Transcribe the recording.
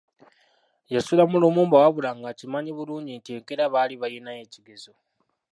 Yasula mu Lumumba wabula ng’akimanyi bulungi nti enkeera baali balinayo ekigezo.